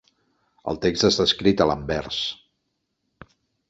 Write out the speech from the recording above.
El text està escrit a l'anvers.